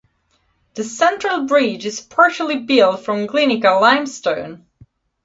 The central bridge is partly built from Glinica limestone.